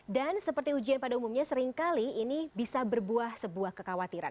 dan seperti ujian pada umumnya seringkali ini bisa berbuah sebuah kekhawatiran